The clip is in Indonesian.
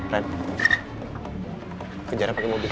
ren kejar dia pakai mobil